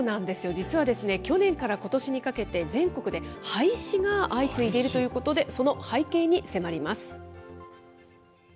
実はですね、去年からことしにかけて、全国で廃止が相次いでいるということで、その背景に迫ります。